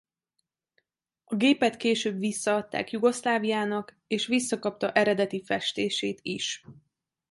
A gépet később visszaadták Jugoszláviának és visszakapta eredeti festését is.